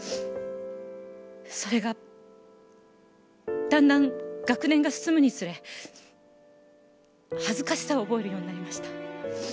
それがだんだん学年が進むにつれ恥ずかしさを覚えるようになりました。